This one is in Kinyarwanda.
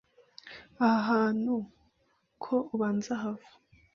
Aha hantu ko ubanza hava